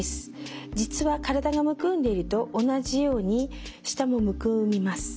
実は体がむくんでいると同じように舌もむくみます。